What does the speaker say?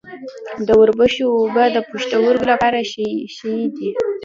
د وربشو اوبه د پښتورګو لپاره ښې دي.